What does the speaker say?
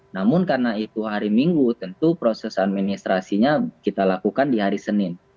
namun karena itu hari minggu tentu proses administrasinya kita lakukan di hari senin